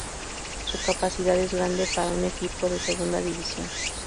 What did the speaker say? Su capacidad es grande para un equipo de segunda división.